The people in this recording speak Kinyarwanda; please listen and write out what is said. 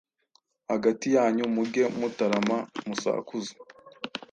hagati yanyu muge mutarama, musakuze,